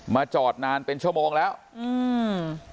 จอดนานเป็นชั่วโมงแล้วอืม